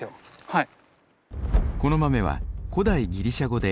はい。